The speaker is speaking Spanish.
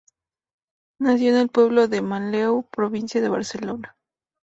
Nació en el pueblo de Manlleu, provincia de Barcelona.